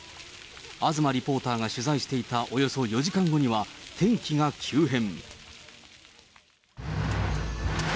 東リポーターが取材していたおよそ４時間後には、天気が急変。